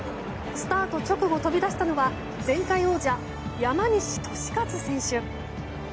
スタート直後、飛び出したのは前回王者・山西利和選手。